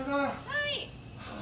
はい。